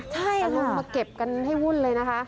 ใช่ค่ะคุณตามาเก็บกันให้วุ่นเลยนะคะ